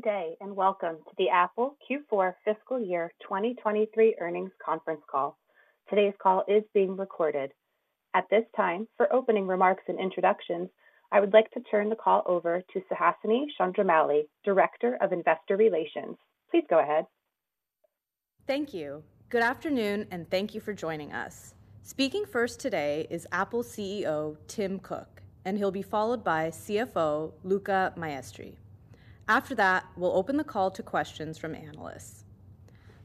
Good day, and welcome to the Apple Q4 Fiscal Year 2023 Earnings Conference Call. Today's call is being recorded. At this time, for opening remarks and introductions, I would like to turn the call over to Suhasini Chandramouli, Director of Investor Relations. Please go ahead. Thank you. Good afternoon, and thank you for joining us. Speaking first today is Apple CEO, Tim Cook, and he'll be followed by CFO, Luca Maestri. After that, we'll open the call to questions from analysts.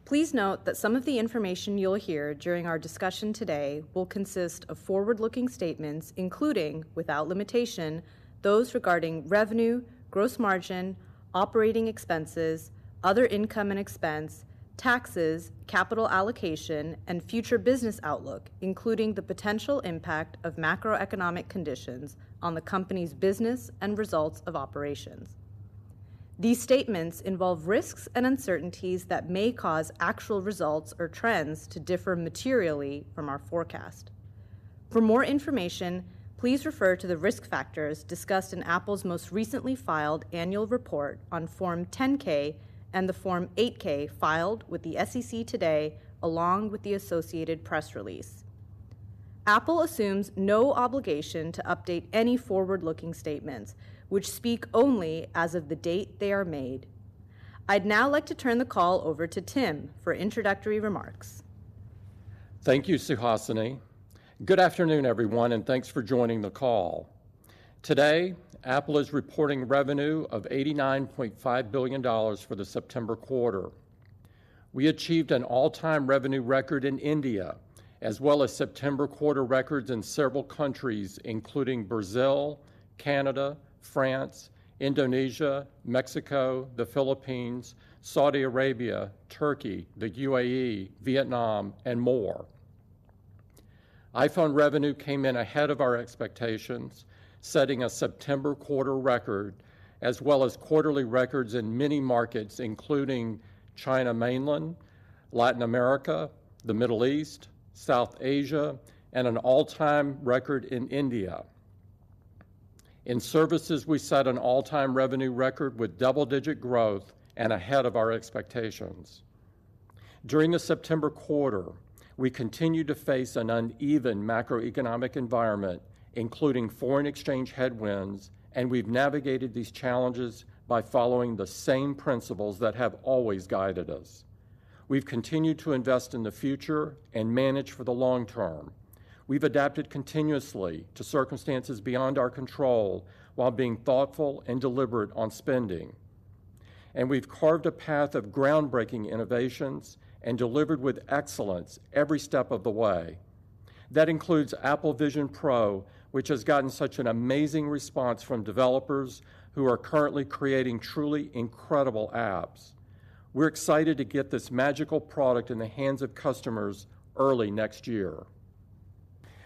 Please note that some of the information you'll hear during our discussion today will consist of forward-looking statements, including, without limitation, those regarding revenue, gross margin, operating expenses, other income and expense, taxes, capital allocation, and future business outlook, including the potential impact of macroeconomic conditions on the company's business and results of operations. These statements involve risks and uncertainties that may cause actual results or trends to differ materially from our forecast. For more information, please refer to the risk factors discussed in Apple's most recently filed annual report on Form 10-K and the Form 8-K filed with the SEC today, along with the associated press release. Apple assumes no obligation to update any forward-looking statements, which speak only as of the date they are made. I'd now like to turn the call over to Tim for introductory remarks. Thank you, Suhasini. Good afternoon, everyone, and thanks for joining the call. Today, Apple is reporting revenue of $89.5 billion for the September quarter. We achieved an all-time revenue record in India, as well as September quarter records in several countries, including Brazil, Canada, France, Indonesia, Mexico, the Philippines, Saudi Arabia, Turkey, the UAE, Vietnam, and more. iPhone revenue came in ahead of our expectations, setting a September quarter record, as well as quarterly records in many markets, including China Mainland, Latin America, the Middle East, South Asia, and an all-time record in India. In services, we set an all-time revenue record with double-digit growth and ahead of our expectations. During the September quarter, we continued to face an uneven macroeconomic environment, including foreign exchange headwinds, and we've navigated these challenges by following the same principles that have always guided us. We've continued to invest in the future and manage for the long term. We've adapted continuously to circumstances beyond our control while being thoughtful and deliberate on spending. We've carved a path of groundbreaking innovations and delivered with excellence every step of the way. That includes Apple Vision Pro, which has gotten such an amazing response from developers who are currently creating truly incredible apps. We're excited to get this magical product in the hands of customers early next year.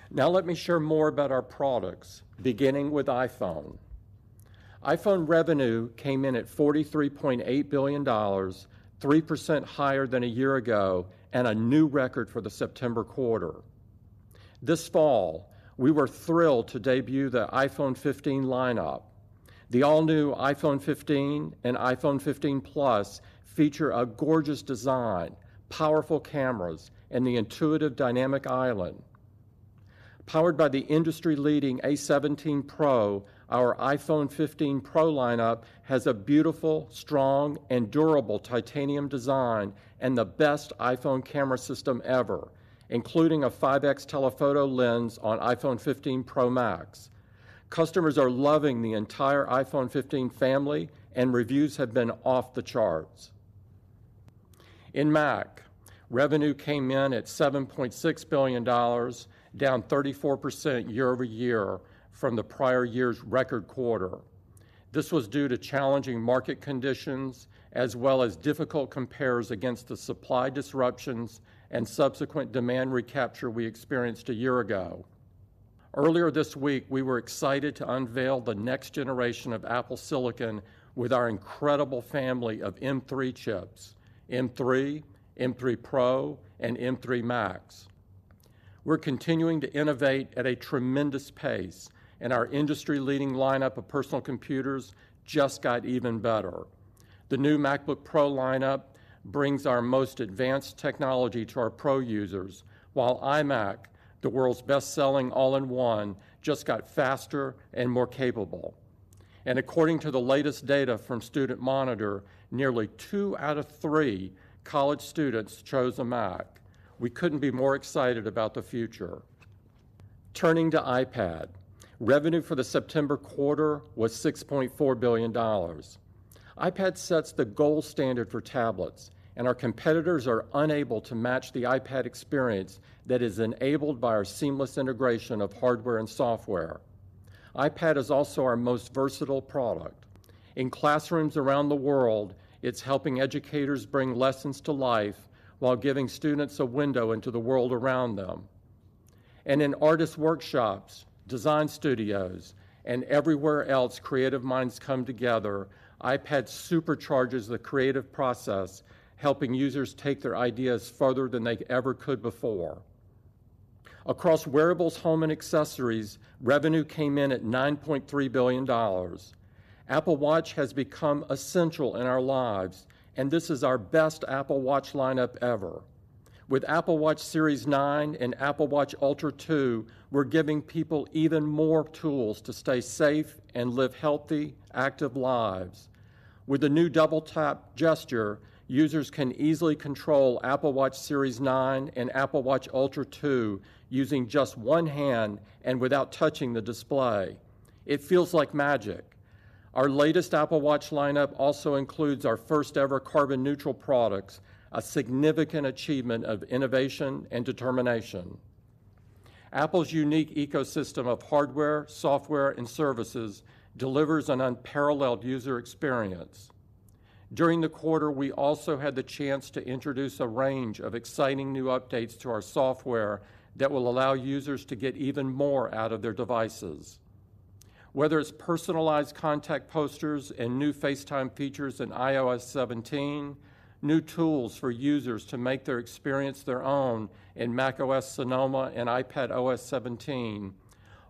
Now let me share more about our products, beginning with iPhone. iPhone revenue came in at $43.8 billion, 3% higher than a year ago, and a new record for the September quarter. This fall, we were thrilled to debut the iPhone 15 lineup. The all-new iPhone 15 and iPhone 15 Plus feature a gorgeous design, powerful cameras, and the intuitive Dynamic Island. Powered by the industry-leading A17 Pro, our iPhone 15 Pro lineup has a beautiful, strong, and durable titanium design and the best iPhone camera system ever, including a 5x telephoto lens on iPhone 15 Pro Max. Customers are loving the entire iPhone 15 family, and reviews have been off the charts. In Mac, revenue came in at $7.6 billion, down 34% year-over-year from the prior year's record quarter. This was due to challenging market conditions, as well as difficult compares against the supply disruptions and subsequent demand recapture we experienced a year ago. Earlier this week, we were excited to unveil the next generation of Apple Silicon with our incredible family of M3 chips, M3, M3 Pro, and M3 Max. We're continuing to innovate at a tremendous pace, and our industry-leading lineup of personal computers just got even better. The new MacBook Pro lineup brings our most advanced technology to our pro users, while iMac, the world's best-selling all-in-one, just got faster and more capable. According to the latest data from Student Monitor, nearly two out of three college students chose a Mac. We couldn't be more excited about the future. Turning to iPad, revenue for the September quarter was $6.4 billion. iPad sets the gold standard for tablets, and our competitors are unable to match the iPad experience that is enabled by our seamless integration of hardware and software. iPad is also our most versatile product. In classrooms around the world, it's helping educators bring lessons to life while giving students a window into the world around them. In artist workshops, design studios, and everywhere else creative minds come together, iPad supercharges the creative process, helping users take their ideas farther than they ever could before. Across Wearables, Home and Accessories, revenue came in at $9.3 billion. Apple Watch has become essential in our lives, and this is our best Apple Watch lineup ever. With Apple Watch Series 9 and Apple Watch Ultra 2, we're giving people even more tools to stay safe and live healthy, active lives. With the new double-tap gesture, users can easily control Apple Watch Series 9 and Apple Watch Ultra 2 using just one hand and without touching the display. It feels like magic. Our latest Apple Watch lineup also includes our first-ever carbon neutral products, a significant achievement of innovation and determination. Apple's unique ecosystem of hardware, software, and services delivers an unparalleled user experience. During the quarter, we also had the chance to introduce a range of exciting new updates to our software that will allow users to get even more out of their devices. Whether it's personalized contact posters and new FaceTime features in iOS 17, new tools for users to make their experience their own in macOS Sonoma and iPadOS 17,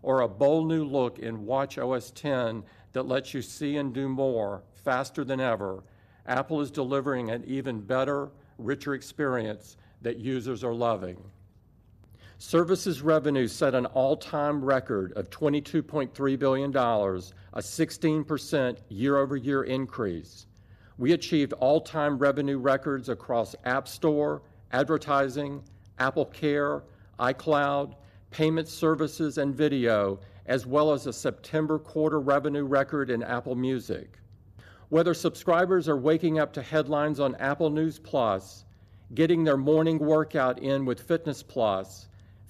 or a bold new look in watchOS 10 that lets you see and do more faster than ever, Apple is delivering an even better, richer experience that users are loving. Services revenue set an all-time record of $22.3 billion, a 16% year-over-year increase. We achieved all-time revenue records across App Store, advertising, AppleCare, iCloud, payment services, and video, as well as a September quarter revenue record in Apple Music. Whether subscribers are waking up to headlines on Apple News+, getting their morning workout in with Fitness+,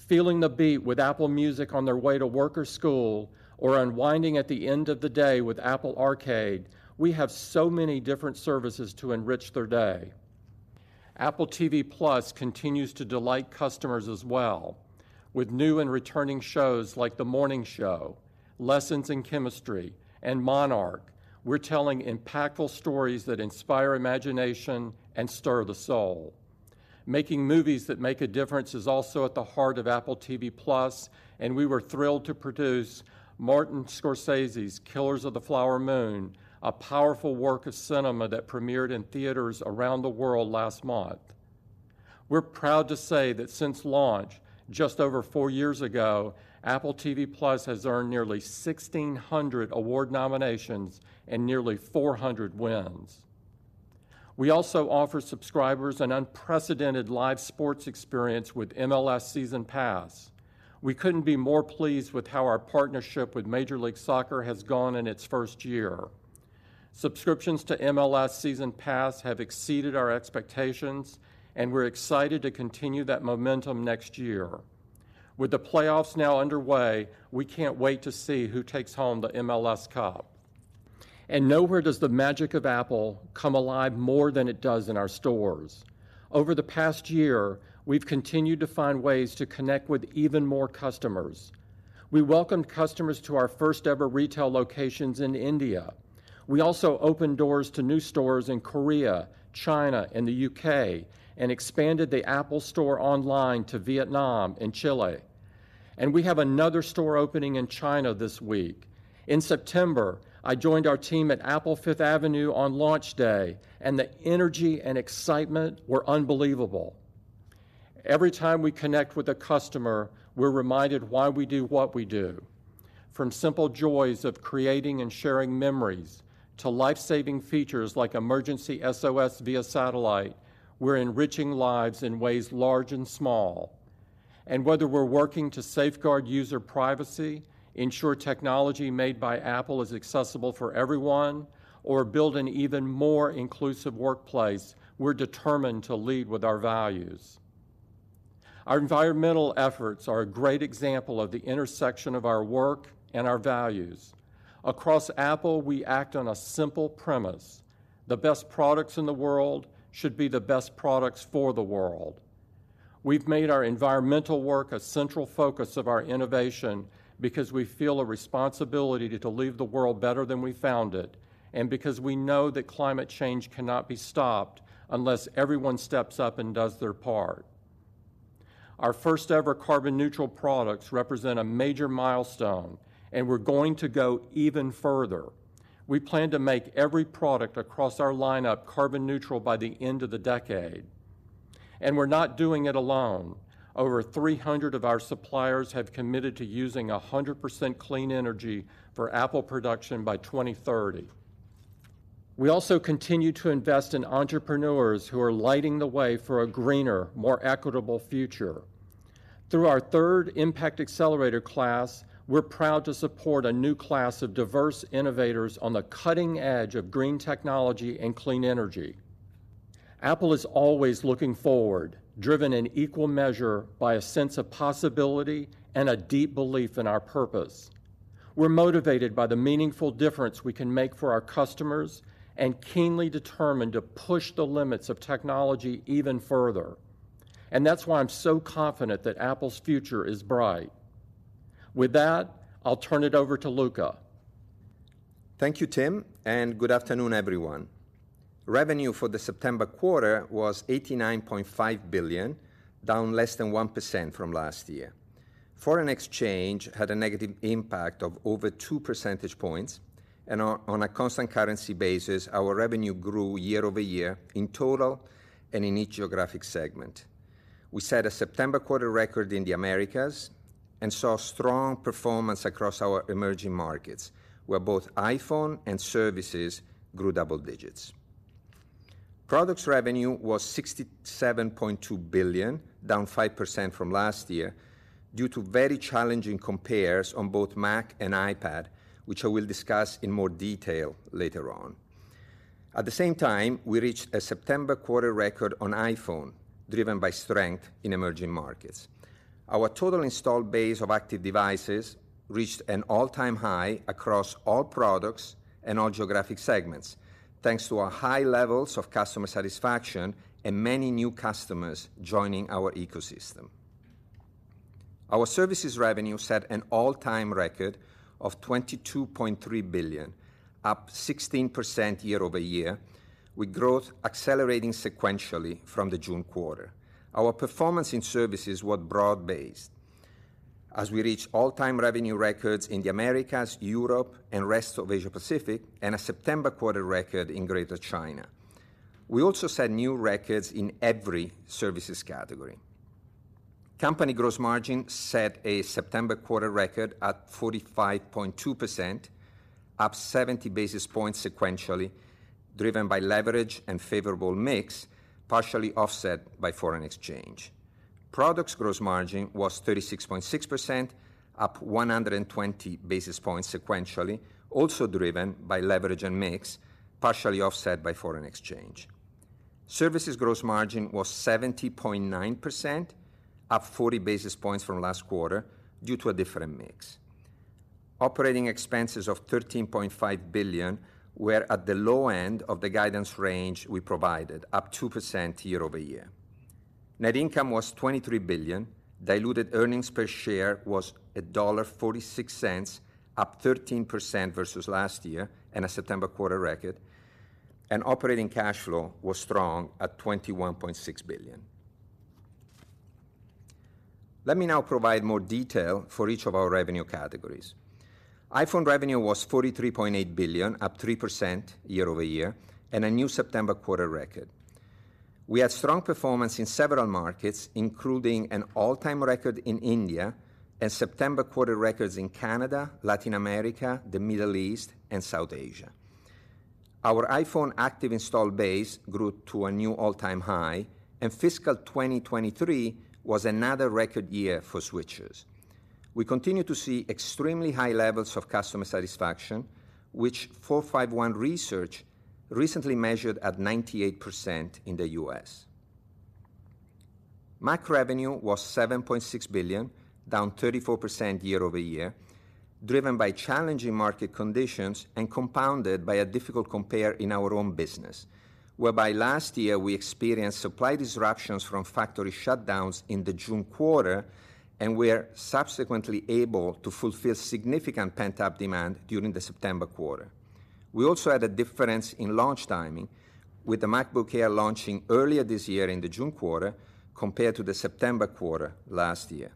feeling the beat with Apple Music on their way to work or school, or unwinding at the end of the day with Apple Arcade, we have so many different services to enrich their day. Apple TV+ continues to delight customers as well. With new and returning shows like The Morning Show, Lessons in Chemistry, and Monarch, we're telling impactful stories that inspire imagination and stir the soul. Making movies that make a difference is also at the heart of Apple TV+, and we were thrilled to produce Martin Scorsese's Killers of the Flower Moon, a powerful work of cinema that premiered in theaters around the world last month. We're proud to say that since launch, just over four years ago, Apple TV+ has earned nearly 1,600 award nominations and nearly 400 wins. We also offer subscribers an unprecedented live sports experience with MLS Season Pass. We couldn't be more pleased with how our partnership with Major League Soccer has gone in its first year. Subscriptions to MLS Season Pass have exceeded our expectations, and we're excited to continue that momentum next year. With the playoffs now underway, we can't wait to see who takes home the MLS Cup. And nowhere does the magic of Apple come alive more than it does in our stores. Over the past year, we've continued to find ways to connect with even more customers. We welcomed customers to our first-ever retail locations in India. We also opened doors to new stores in Korea, China, and the UK, and expanded the Apple Store online to Vietnam and Chile. We have another store opening in China this week. In September, I joined our team at Apple Fifth Avenue on launch day, and the energy and excitement were unbelievable. Every time we connect with a customer, we're reminded why we do what we do. From simple joys of creating and sharing memories to life-saving features like Emergency SOS via satellite, we're enriching lives in ways large and small. And whether we're working to safeguard user privacy, ensure technology made by Apple is accessible for everyone, or build an even more inclusive workplace, we're determined to lead with our values. Our environmental efforts are a great example of the intersection of our work and our values. Across Apple, we act on a simple premise: the best products in the world should be the best products for the world. We've made our environmental work a central focus of our innovation because we feel a responsibility to leave the world better than we found it, and because we know that climate change cannot be stopped unless everyone steps up and does their part. Our first-ever carbon neutral products represent a major milestone, and we're going to go even further. We plan to make every product across our lineup carbon neutral by the end of the decade, and we're not doing it alone. Over 300 of our suppliers have committed to using 100% clean energy for Apple production by 2030. We also continue to invest in entrepreneurs who are lighting the way for a greener, more equitable future. Through our third Impact Accelerator class, we're proud to support a new class of diverse innovators on the cutting edge of green technology and clean energy. Apple is always looking forward, driven in equal measure by a sense of possibility and a deep belief in our purpose. We're motivated by the meaningful difference we can make for our customers and keenly determined to push the limits of technology even further. That's why I'm so confident that Apple's future is bright. With that, I'll turn it over to Luca. Thank you, Tim, and good afternoon, everyone. Revenue for the September quarter was $89.5 billion, down less than 1% from last year. Foreign exchange had a negative impact of over two percentage points, and on a constant currency basis, our revenue grew year-over-year in total and in each geographic segment. We set a September quarter record in the Americas and saw strong performance across our emerging markets, where both iPhone and Services grew double digits. Products revenue was $67.2 billion, down 5% from last year due to very challenging compares on both Mac and iPad, which I will discuss in more detail later on. At the same time, we reached a September quarter record on iPhone, driven by strength in emerging markets. Our total installed base of active devices reached an all-time high across all products and all geographic segments, thanks to our high levels of customer satisfaction and many new customers joining our ecosystem. Our services revenue set an all-time record of $22.3 billion, up 16% year-over-year, with growth accelerating sequentially from the June quarter. Our performance in services was broad-based as we reached all-time revenue records in the Americas, Europe, and Rest of Asia Pacific, and a September quarter record in Greater China. We also set new records in every services category. Company gross margin set a September quarter record at 45.2%, up 70 basis points sequentially, driven by leverage and favorable mix, partially offset by foreign exchange. Products gross margin was 36.6%, up 120 basis points sequentially, also driven by leverage and mix, partially offset by foreign exchange. Services gross margin was 70.9%, up 40 basis points from last quarter due to a different mix. Operating expenses of $13.5 billion were at the low end of the guidance range we provided, up 2% year-over-year. Net income was $23 billion. Diluted earnings per share was $1.46, up 13% versus last year and a September quarter record, and operating cash flow was strong at $21.6 billion. Let me now provide more detail for each of our revenue categories. iPhone revenue was $43.8 billion, up 3% year-over-year, and a new September quarter record. We had strong performance in several markets, including an all-time record in India and September quarter records in Canada, Latin America, the Middle East, and South Asia. Our iPhone active installed base grew to a new all-time high, and fiscal 2023 was another record year for switchers. We continue to see extremely high levels of customer satisfaction, which 451 Research recently measured at 98% in the U.S. Mac revenue was $7.6 billion, down 34% year-over-year, driven by challenging market conditions and compounded by a difficult compare in our own business, whereby last year we experienced supply disruptions from factory shutdowns in the June quarter and were subsequently able to fulfill significant pent-up demand during the September quarter. We also had a difference in launch timing, with the MacBook Air launching earlier this year in the June quarter compared to the September quarter last year.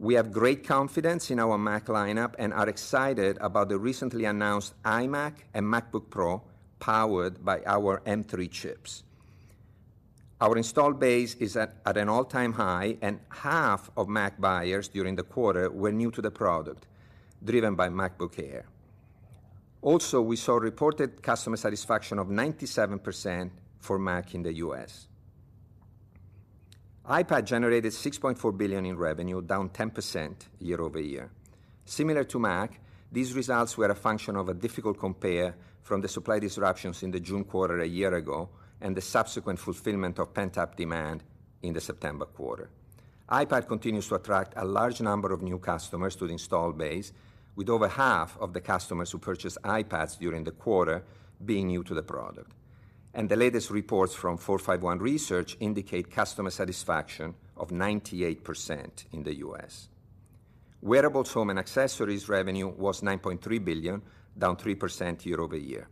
We have great confidence in our Mac lineup and are excited about the recently announced iMac and MacBook Pro, powered by our M3 chips. Our installed base is at an all-time high, and half of Mac buyers during the quarter were new to the product, driven by MacBook Air. Also, we saw reported customer satisfaction of 97% for Mac in the U.S. iPad generated $6.4 billion in revenue, down 10% year-over-year. Similar to Mac, these results were a function of a difficult compare from the supply disruptions in the June quarter a year ago and the subsequent fulfillment of pent-up demand in the September quarter. iPad continues to attract a large number of new customers to the installed base, with over half of the customers who purchased iPads during the quarter being new to the product. The latest reports from 451 Research indicate customer satisfaction of 98% in the U.S. Wearables, Home and Accessories revenue was $9.3 billion, down 3% year-over-year.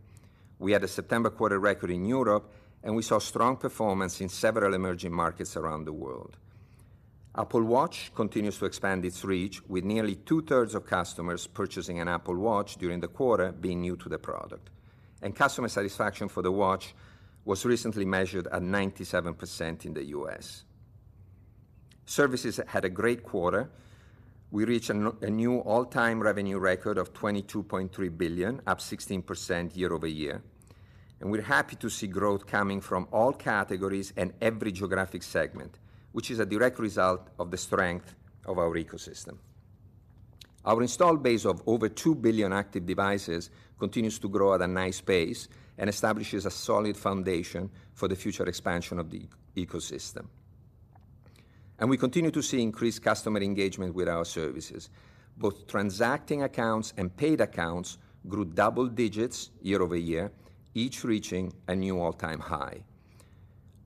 We had a September quarter record in Europe, and we saw strong performance in several emerging markets around the world. Apple Watch continues to expand its reach, with nearly 2/3 of customers purchasing an Apple Watch during the quarter being new to the product, and customer satisfaction for the Watch was recently measured at 97% in the U.S. Services had a great quarter. We reached a new all-time revenue record of $22.3 billion, up 16% year-over-year, and we're happy to see growth coming from all categories and every geographic segment, which is a direct result of the strength of our ecosystem. Our installed base of over two billion active devices continues to grow at a nice pace and establishes a solid foundation for the future expansion of the ecosystem. We continue to see increased customer engagement with our services. Both transacting accounts and paid accounts grew double digits year-over-year, each reaching a new all-time high.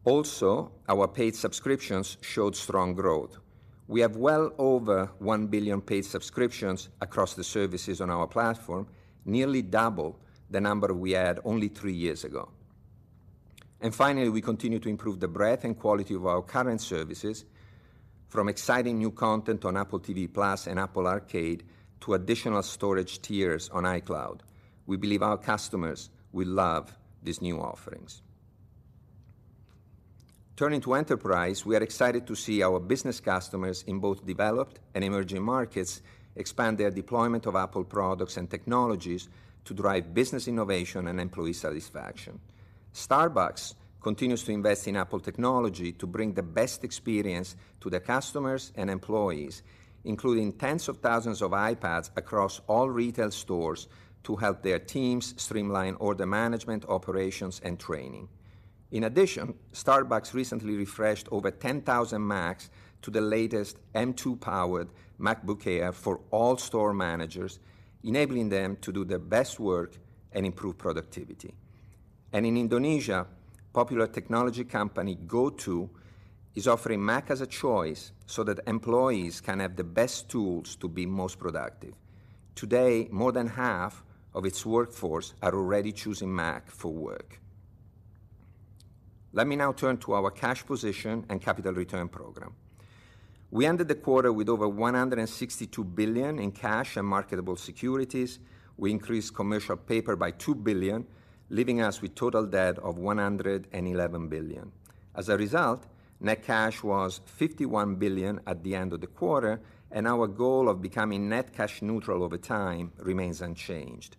Also, our paid subscriptions showed strong growth. We have well over one billion paid subscriptions across the services on our platform, nearly double the number we had only three years ago. Finally, we continue to improve the breadth and quality of our current services, from exciting new content on Apple TV+ and Apple Arcade, to additional storage tiers on iCloud. We believe our customers will love these new offerings. Turning to enterprise, we are excited to see our business customers in both developed and emerging markets expand their deployment of Apple products and technologies to drive business innovation and employee satisfaction. Starbucks continues to invest in Apple technology to bring the best experience to their customers and employees, including tens of thousands of iPads across all retail stores to help their teams streamline order management, operations, and training. In addition, Starbucks recently refreshed over 10,000 Macs to the latest M2-powered MacBook Air for all store managers, enabling them to do their best work and improve productivity. In Indonesia, popular technology company GoTo is offering Mac as a choice so that employees can have the best tools to be most productive. Today, more than half of its workforce are already choosing Mac for work. Let me now turn to our cash position and capital return program. We ended the quarter with over $162 billion in cash and marketable securities. We increased commercial paper by $2 billion, leaving us with total debt of $111 billion. As a result, net cash was $51 billion at the end of the quarter, and our goal of becoming net cash neutral over time remains unchanged.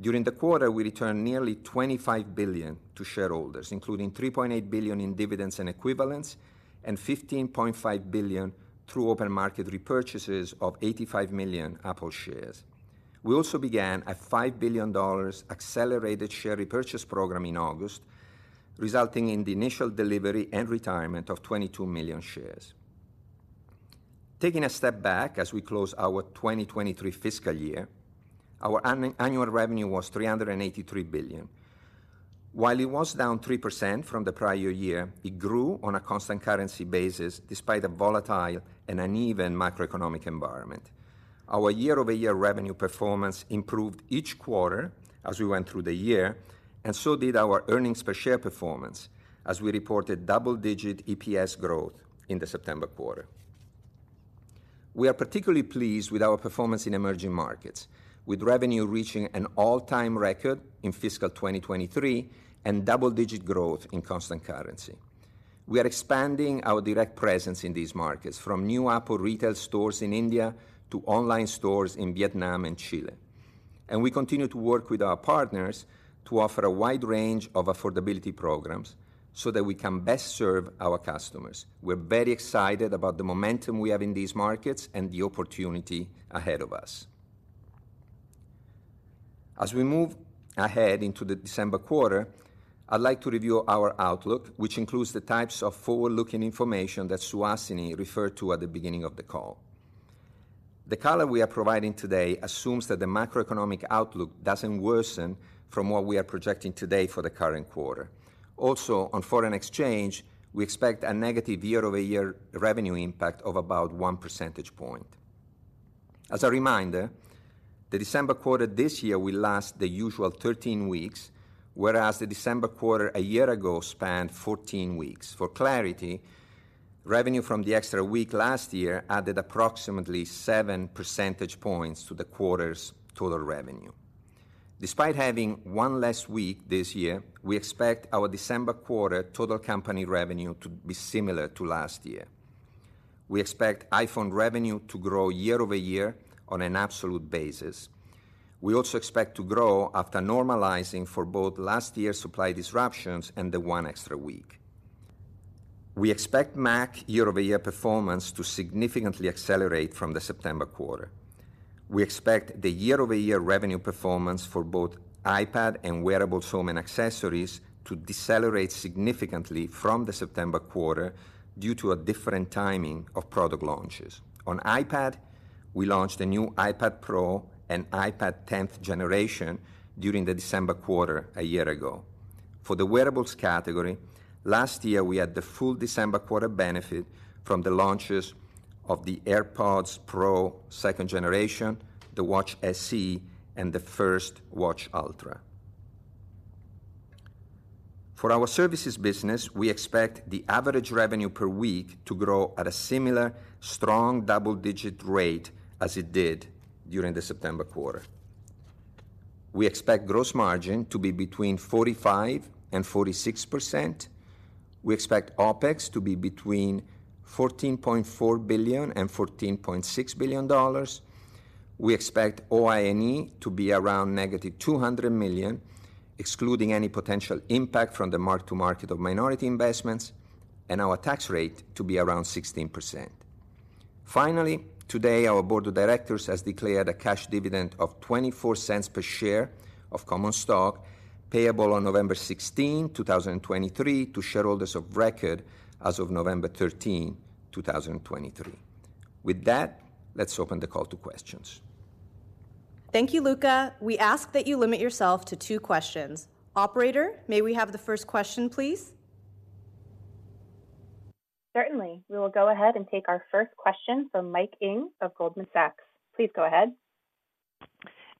During the quarter, we returned nearly $25 billion to shareholders, including $3.8 billion in dividends and equivalents, and $15.5 billion through open market repurchases of 85 million Apple shares. We also began a $5 billion accelerated share repurchase program in August, resulting in the initial delivery and retirement of 22 million shares. Taking a step back as we close our 2023 fiscal year, our annual revenue was $383 billion. While it was down 3% from the prior year, it grew on a constant currency basis, despite a volatile and uneven macroeconomic environment. Our year-over-year revenue performance improved each quarter as we went through the year, and so did our earnings per share performance, as we reported double-digit EPS growth in the September quarter. We are particularly pleased with our performance in emerging markets, with revenue reaching an all-time record in fiscal 2023, and double-digit growth in constant currency. We are expanding our direct presence in these markets, from new Apple retail stores in India, to online stores in Vietnam and Chile. We continue to work with our partners to offer a wide range of affordability programs so that we can best serve our customers. We're very excited about the momentum we have in these markets and the opportunity ahead of us. As we move ahead into the December quarter, I'd like to review our outlook, which includes the types of forward-looking information that Suhasini referred to at the beginning of the call. The color we are providing today assumes that the macroeconomic outlook doesn't worsen from what we are projecting today for the current quarter. Also, on foreign exchange, we expect a negative year-over-year revenue impact of about one percentage point. As a reminder, the December quarter this year will last the usual 13 weeks, whereas the December quarter a year ago spanned 14 weeks. For clarity, revenue from the extra week last year added approximately seven percentage points to the quarter's total revenue. Despite having one less week this year, we expect our December quarter total company revenue to be similar to last year. We expect iPhone revenue to grow year-over-year on an absolute basis. We also expect to grow after normalizing for both last year's supply disruptions and the one extra week. We expect Mac year-over-year performance to significantly accelerate from the September quarter. We expect the year-over-year revenue performance for both iPad and Wearables, Home and Accessories to decelerate significantly from the September quarter due to a different timing of product launches. On iPad, we launched a new iPad Pro and iPad tenth generation during the December quarter a year ago. For the Wearables category, last year, we had the full December quarter benefit from the launches of the AirPods Pro second generation, the Watch SE, and the first Watch Ultra. For our services business, we expect the average revenue per week to grow at a similar strong double-digit rate as it did during the September quarter. We expect gross margin to be 45%-46%. We expect OpEx to be between $14.4 billion and $14.6 billion. We expect OI&E to be around -$200 million, excluding any potential impact from the mark-to-market of minority investments, and our tax rate to be around 16%. Finally, today, our board of directors has declared a cash dividend of $0.24 per share of common stock, payable on November 16, 2023, to shareholders of record as of November 13, 2023. With that, let's open the call to questions. Thank you, Luca. We ask that you limit yourself to two questions. Operator, may we have the first question, please? Certainly. We will go ahead and take our first question from Mike Ng of Goldman Sachs. Please go ahead.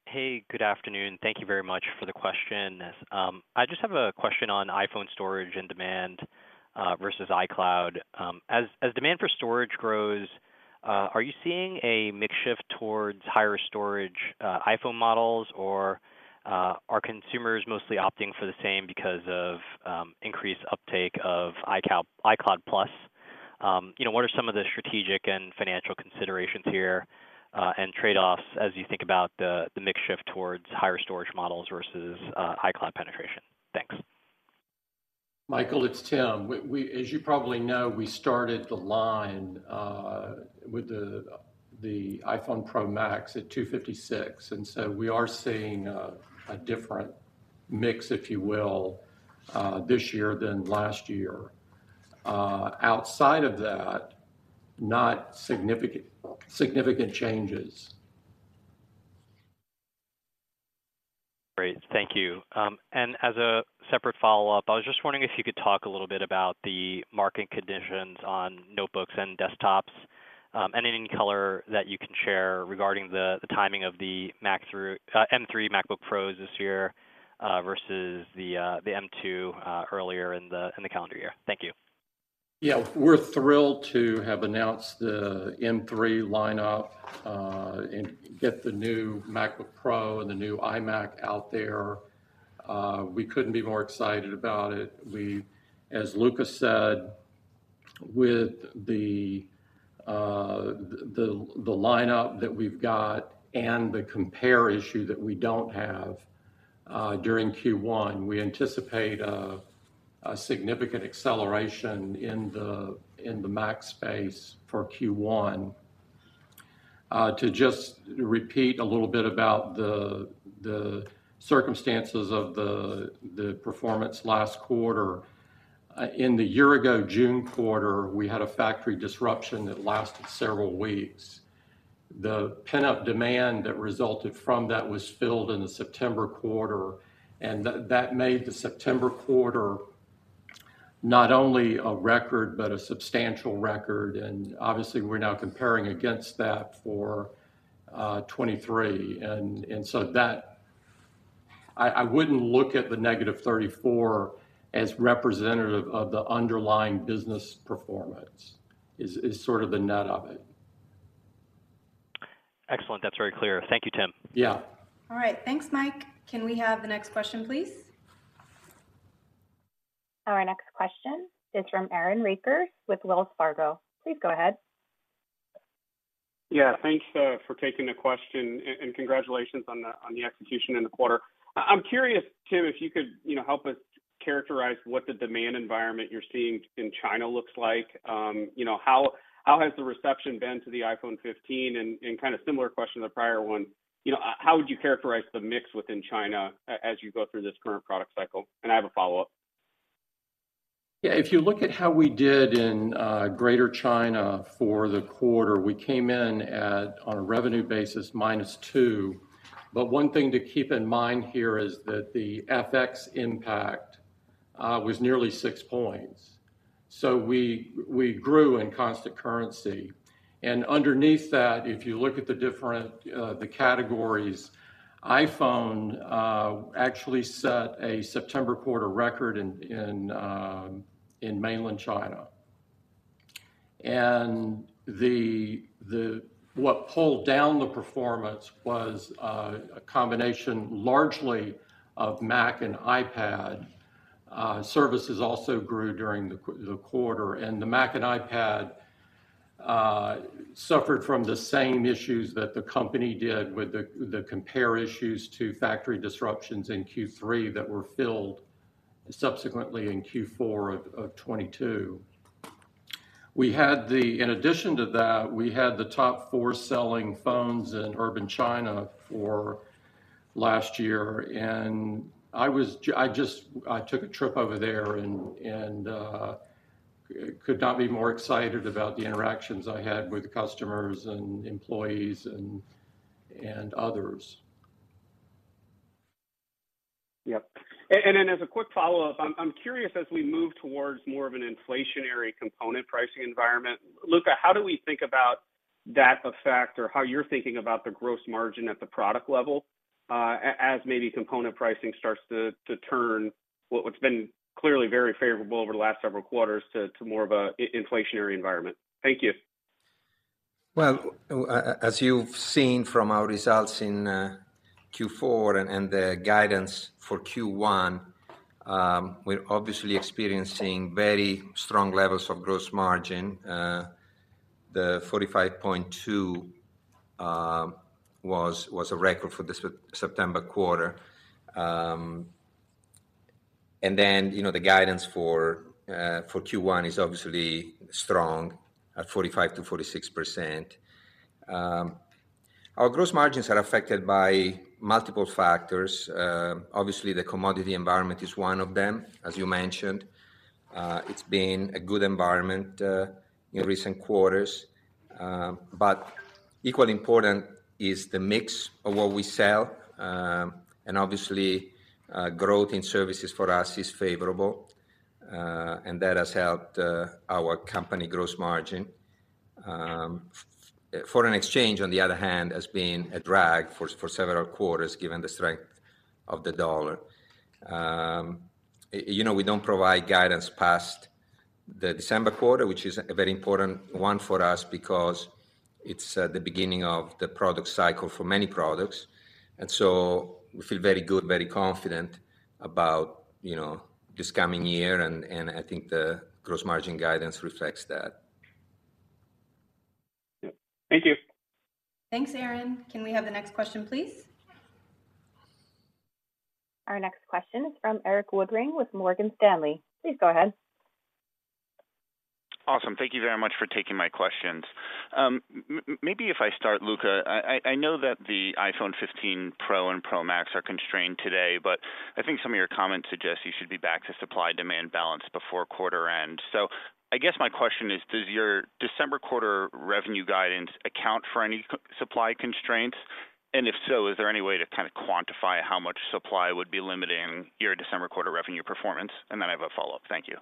Hey, good afternoon. Thank you very much for the question. I just have a question on iPhone storage and demand versus iCloud. As demand for storage grows, are you seeing a mix shift towards higher storage iPhone models, or are consumers mostly opting for the same because of increased uptake of iCloud+? You know, what are some of the strategic and financial considerations here, and trade-offs as you think about the mix shift towards higher storage models versus iCloud penetration? Thanks. Michael, it's Tim. As you probably know, we started the line with the iPhone Pro Max at 256, and so we are seeing a different mix, if you will, this year than last year. Outside of that, not significant changes. Great. Thank you. As a separate follow-up, I was just wondering if you could talk a little bit about the market conditions on notebooks and desktops, and any color that you can share regarding the, the timing of the Mac through, M3 MacBook Pros this year, versus the, the M2, earlier in the, in the calendar year. Thank you. Yeah, we're thrilled to have announced the M3 lineup, and get the new MacBook Pro and the new iMac out there. We couldn't be more excited about it. We, as Luca said, with the lineup that we've got and the compare issue that we don't have, during Q1, we anticipate a significant acceleration in the Mac space for Q1. To just repeat a little bit about the circumstances of the performance last quarter, in the year-ago June quarter, we had a factory disruption that lasted several weeks. The pent-up demand that resulted from that was filled in the September quarter, and that made the September quarter not only a record, but a substantial record, and obviously, we're now comparing against that for 2023. And so that I wouldn't look at the -34 as representative of the underlying business performance, sort of the nut of it. Excellent. That's very clear. Thank you, Tim. Yeah. All right. Thanks, Mike. Can we have the next question, please? Our next question is from Aaron Rakers with Wells Fargo. Please go ahead. Yeah. Thanks for taking the question, and congratulations on the execution in the quarter. I'm curious, Tim, if you could, you know, help us characterize what the demand environment you're seeing in China looks like. You know, how has the reception been to the iPhone 15? And kind of similar question to the prior one, you know, how would you characterize the mix within China as you go through this current product cycle? And I have a follow-up. Yeah, if you look at how we did in Greater China for the quarter, we came in at, on a revenue basis, -2%. But one thing to keep in mind here is that the FX impact was nearly six points. So we grew in constant currency. And underneath that, if you look at the different categories, iPhone actually set a September quarter record in mainland China. And what pulled down the performance was a combination largely of Mac and iPad. Services also grew during the quarter, and the Mac and iPad suffered from the same issues that the company did with the compare issues to factory disruptions in Q3 that were filled subsequently in Q4 of 2022. In addition to that, we had the top four selling phones in urban China for last year, and I just took a trip over there and could not be more excited about the interactions I had with the customers and employees and others. Yep. And then as a quick follow-up, I'm curious, as we move towards more of an inflationary component pricing environment, Luca, how do we think about that effect or how you're thinking about the gross margin at the product level, as maybe component pricing starts to turn what's been clearly very favorable over the last several quarters to more of an inflationary environment? Thank you. Well, as you've seen from our results in Q4 and the guidance for Q1, we're obviously experiencing very strong levels of gross margin. The 45.2 was a record for the September quarter. And then, you know, the guidance for Q1 is obviously strong at 45%-46%. Our gross margins are affected by multiple factors. Obviously, the commodity environment is one of them, as you mentioned. It's been a good environment in recent quarters. But equally important is the mix of what we sell. And obviously, growth in services for us is favorable, and that has helped our company gross margin. Foreign exchange, on the other hand, has been a drag for several quarters, given the strength of the dollar. You know, we don't provide guidance past the December quarter, which is a very important one for us because it's the beginning of the product cycle for many products, and so we feel very good, very confident about, you know, this coming year, and I think the gross margin guidance reflects that. Yeah. Thank you. Thanks, Aaron. Can we have the next question, please? Our next question is from Erik Woodring with Morgan Stanley. Please go ahead. Awesome. Thank you very much for taking my questions. Maybe if I start, Luca, I know that the iPhone 15 Pro and Pro Max are constrained today, but I think some of your comments suggest you should be back to supply-demand balance before quarter end. So I guess my question is, does your December quarter revenue guidance account for any supply constraints? And if so, is there any way to kind of quantify how much supply would be limiting your December quarter revenue performance? And then I have a follow-up. Thank you.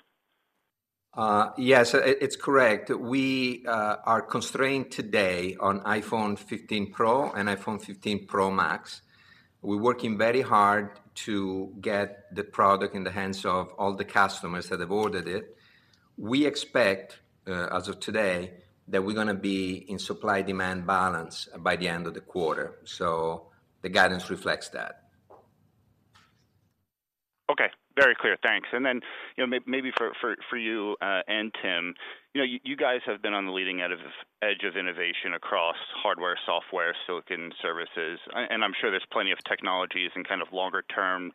Yes, it's correct. We are constrained today on iPhone 15 Pro and iPhone 15 Pro Max. We're working very hard to get the product in the hands of all the customers that have ordered it. We expect, as of today, that we're gonna be in supply-demand balance by the end of the quarter, so the guidance reflects that. Okay, very clear. Thanks. And then, you know, maybe for you and Tim, you know, you guys have been on the leading edge of innovation across hardware, software, silicon, services, and I'm sure there's plenty of technologies and kind of longer-term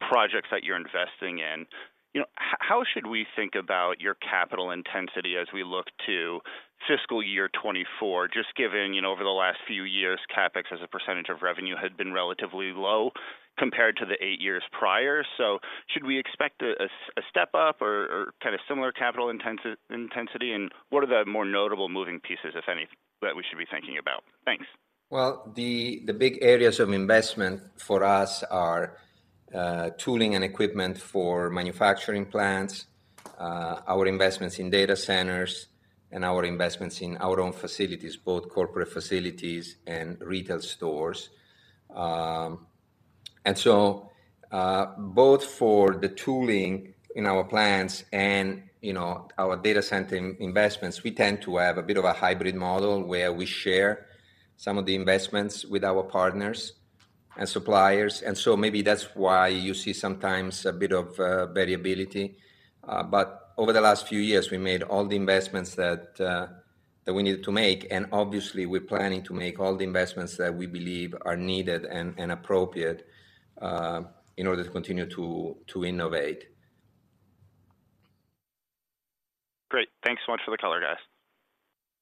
projects that you're investing in. You know, how should we think about your capital intensity as we look to fiscal year 2024, just given, you know, over the last few years, CapEx as a percentage of revenue had been relatively low compared to the eight years prior. So should we expect a step up or kind of similar capital intensity? And what are the more notable moving pieces, if any, that we should be thinking about? Thanks. Well, the big areas of investment for us are Tooling and Equipment for manufacturing plants, our investments in data centers, and our investments in our own facilities, both corporate facilities and retail stores. And so, both for the tooling in our plants and, you know, our data center investments, we tend to have a bit of a hybrid model, where we share some of the investments with our partners and suppliers, and so maybe that's why you see sometimes a bit of variability. But over the last few years, we made all the investments that we needed to make, and obviously, we're planning to make all the investments that we believe are needed and appropriate in order to continue to innovate. Great. Thanks so much for the color, guys.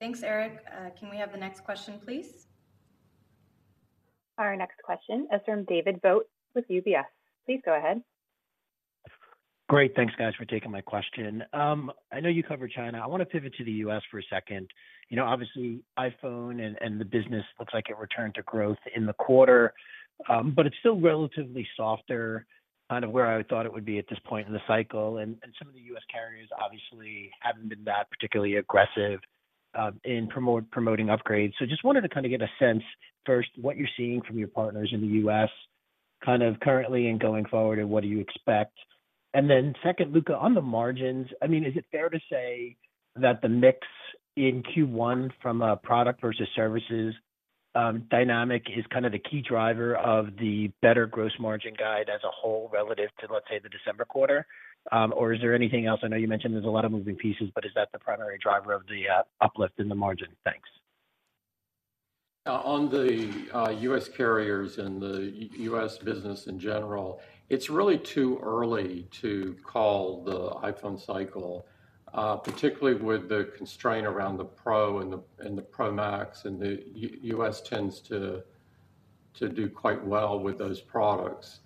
Thanks, Erik. Can we have the next question, please? Our next question is from David Vogt with UBS. Please go ahead. Great, thanks, guys, for taking my question. I know you covered China. I want to pivot to the U.S. for a second. You know, obviously, iPhone and the business looks like it returned to growth in the quarter, but it's still relatively softer, kind of where I thought it would be at this point in the cycle, and some of the U.S. carriers obviously haven't been that particularly aggressive in promoting upgrades. So just wanted to kind of get a sense, first, what you're seeing from your partners in the U.S., kind of currently and going forward, and what do you expect? Second, Luca, on the margins, I mean, is it fair to say that the mix in Q1 from a product versus services dynamic is kind of the key driver of the better gross margin guide as a whole, relative to, let's say, the December quarter? Or is there anything else? I know you mentioned there's a lot of moving pieces, but is that the primary driver of the uplift in the margin? Thanks. On the U.S. carriers and the U.S. business in general, it's really too early to call the iPhone cycle, particularly with the constraint around the Pro and the Pro Max, and the U.S. tends to do quite well with those products.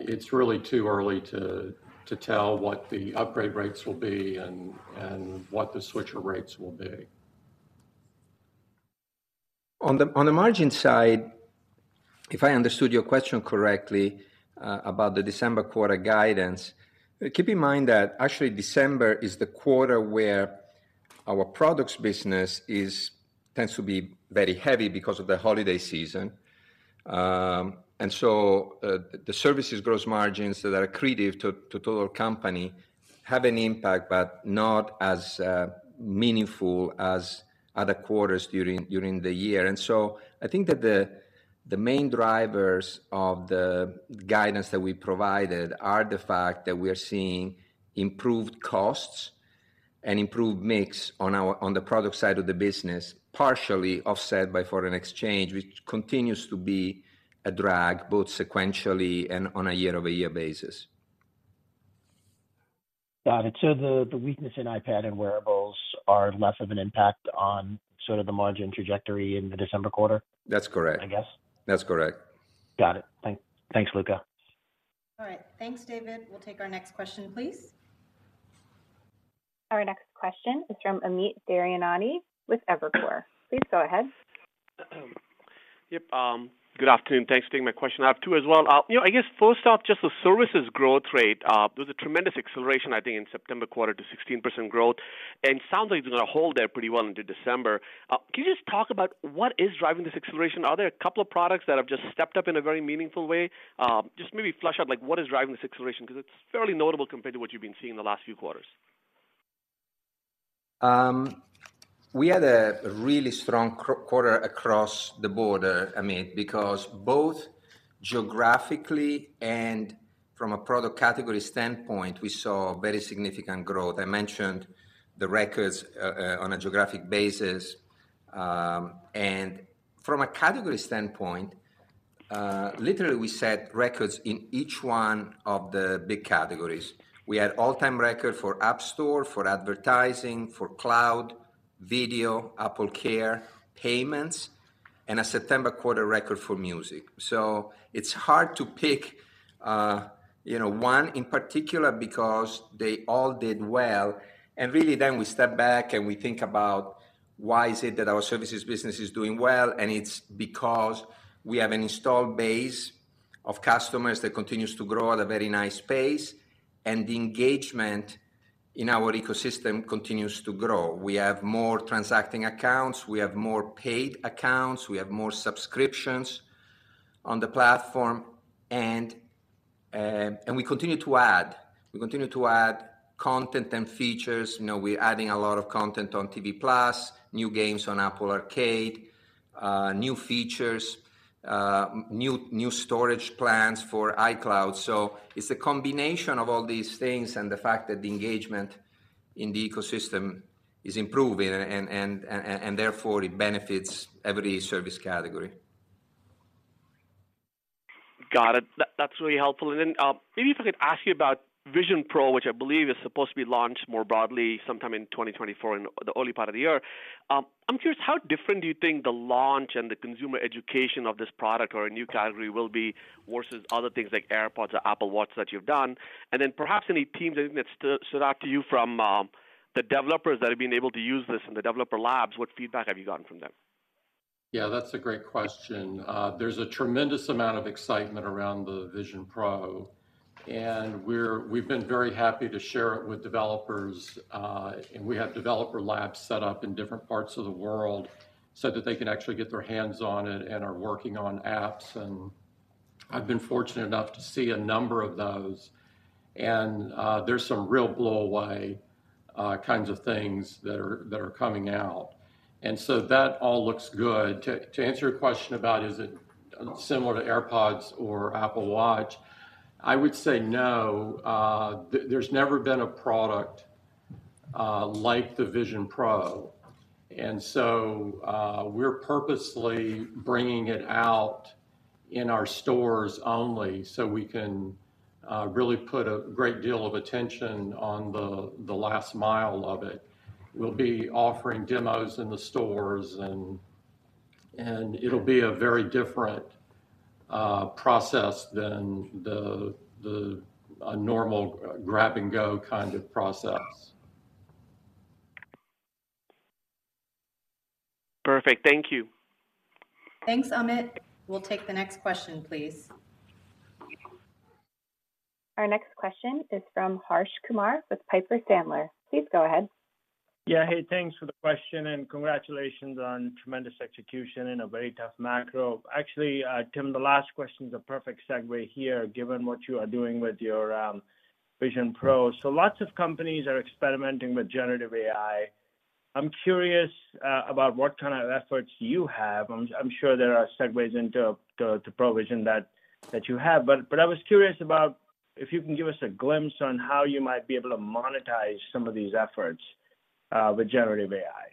It's really too early to tell what the upgrade rates will be and what the switcher rates will be. On the margin side, if I understood your question correctly, about the December quarter guidance, keep in mind that actually December is the quarter where our products business tends to be very heavy because of the holiday season. And so, the services gross margins that are accretive to total company have an impact, but not as meaningful as other quarters during the year. And so I think that the main drivers of the guidance that we provided are the fact that we are seeing improved costs and improved mix on our product side of the business, partially offset by foreign exchange, which continues to be a drag, both sequentially and on a year-over-year basis. Got it. So the weakness in iPad and Wearables are less of an impact on sort of the margin trajectory in the December quarter? That's correct. I guess. That's correct. Got it. Thanks, Luca. All right. Thanks, David. We'll take our next question, please. Our next question is from Amit Daryanani with Evercore. Please go ahead. Yep, good afternoon. Thanks for taking my question. I have two as well. You know, I guess first off, just the services growth rate, there was a tremendous acceleration, I think, in September quarter to 16% growth, and sounds like it's gonna hold there pretty well into December. Can you just talk about what is driving this acceleration? Are there a couple of products that have just stepped up in a very meaningful way? Just maybe flesh out, like, what is driving this acceleration, because it's fairly notable compared to what you've been seeing in the last few quarters. We had a really strong quarter across the board, Amit, because both geographically and from a product category standpoint, we saw very significant growth. I mentioned the records on a geographic basis. And from a category standpoint, literally, we set records in each one of the big categories. We had all-time record for App Store, for advertising, for cloud, video, AppleCare, payments, and a September quarter record for music. So it's hard to pick, you know, one in particular because they all did well. And really then we step back, and we think about why is it that our services business is doing well, and it's because we have an installed base of customers that continues to grow at a very nice pace, and the engagement in our ecosystem continues to grow. We have more transacting accounts, we have more paid accounts, we have more subscriptions on the platform, and we continue to add. We continue to add content and features. You know, we're adding a lot of content on TV Plus, new games on Apple Arcade, new features, new storage plans for iCloud. So it's a combination of all these things and the fact that the engagement in the ecosystem is improving, and therefore, it benefits every service category. Got it. That's really helpful. And then, maybe if I could ask you about Vision Pro, which I believe is supposed to be launched more broadly sometime in 2024, in the early part of the year. I'm curious, how different do you think the launch and the consumer education of this product or a new category will be versus other things like AirPods or Apple Watches that you've done? And then perhaps any themes, anything that stood, stood out to you from, the developers that have been able to use this in the developer labs, what feedback have you gotten from them? Yeah, that's a great question. There's a tremendous amount of excitement around the Vision Pro, and we're, we've been very happy to share it with developers, and we have developer labs set up in different parts of the world so that they can actually get their hands on it and are working on apps, and I've been fortunate enough to see a number of those. And there's some real blow-away kinds of things that are coming out. And so that all looks good. To answer your question about is it similar to AirPods or Apple Watch, I would say no. There's never been a product like the Vision Pro, and so we're purposely bringing it out in our stores only so we can really put a great deal of attention on the last mile of it. We'll be offering demos in the stores, and it'll be a very different process than a normal grab-and-go kind of process. Perfect. Thank you. Thanks, Amit. We'll take the next question, please. Our next question is from Harsh Kumar with Piper Sandler. Please go ahead. Yeah, hey, thanks for the question, and congratulations on tremendous execution in a very tough macro. Actually, Tim, the last question is a perfect segue here, given what you are doing with your Vision Pro. So lots of companies are experimenting with generative AI. I'm curious about what kind of efforts you have. I'm sure there are segues into Vision Pro that you have, but I was curious about if you can give us a glimpse on how you might be able to monetize some of these efforts with generative AI.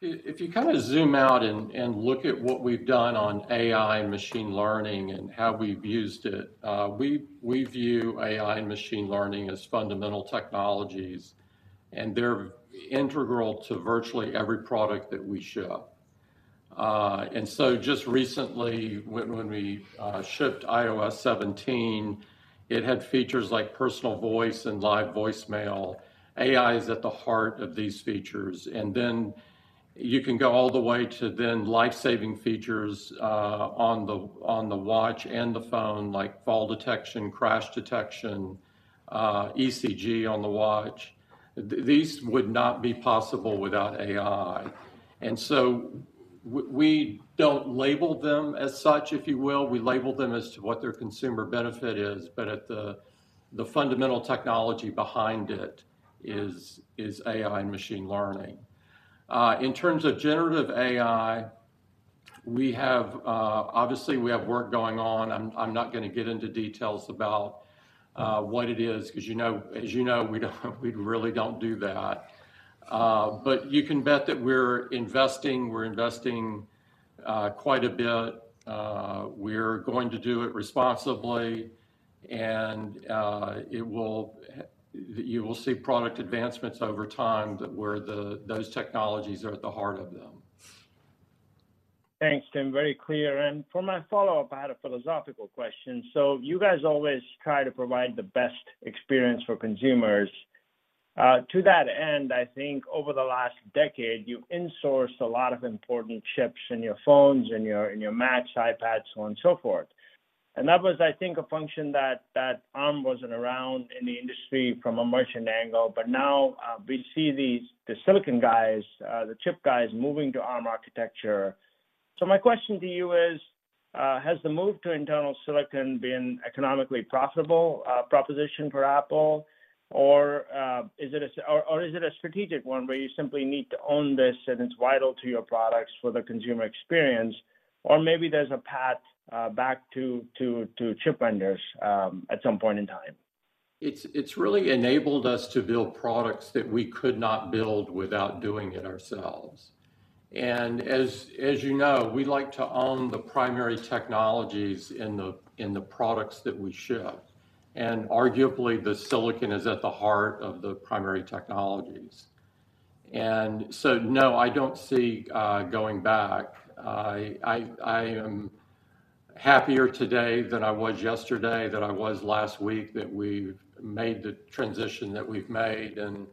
If you kind of zoom out and look at what we've done on AI and machine learning and how we've used it, we view AI and machine learning as fundamental technologies, and they're integral to virtually every product that we ship. And so just recently, when we shipped iOS 17, it had features like Personal Voice and Live Voicemail. AI is at the heart of these features, and then you can go all the way to life-saving features on the Watch and the phone, like Fall Detection, Crash Detection, ECG on the Watch. These would not be possible without AI, and so we don't label them as such, if you will. We label them as to what their consumer benefit is, but at the fundamental technology behind it is AI and machine learning. In terms of generative AI, we have, obviously, we have work going on. I'm not gonna get into details about what it is, 'cause you know, as you know, we don't really do that. But you can bet that we're investing, we're investing quite a bit. We're going to do it responsibly, and it will. You will see product advancements over time that where those technologies are at the heart of them. Thanks, Tim. Very clear. And for my follow-up, I had a philosophical question. So you guys always try to provide the best experience for consumers. To that end, I think over the last decade, you've insourced a lot of important chips in your phones, in your Macs, iPads, so on and so forth. And that was, I think, a function that ARM wasn't around in the industry from a merchant angle, but now we see these, the silicon guys, the chip guys moving to ARM architecture. So my question to you is, has the move to internal silicon been an economically profitable proposition for Apple, or is it a strategic one where you simply need to own this, and it's vital to your products for the consumer experience? Or maybe there's a path back to chip vendors at some point in time. It's really enabled us to build products that we could not build without doing it ourselves. And as you know, we like to own the primary technologies in the products that we ship, and arguably, the silicon is at the heart of the primary technologies. And so, no, I don't see going back. I am happier today than I was yesterday, than I was last week, that we've made the transition that we've made, and